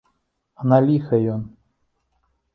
А на ліха ён!